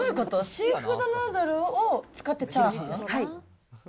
シーフードヌードルを使ってチャーハン？